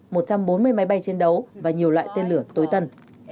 sáu mươi máy bay chiến đấu và nhiều loại tên lửa tối tân